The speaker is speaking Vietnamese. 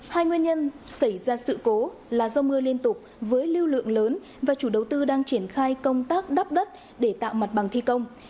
hai nguyên nhân xảy ra sự cố là do mưa liên tục với lưu lượng lớn và chủ đầu tư đang triển khai công tác đắp đất để tạo mặt bằng thi công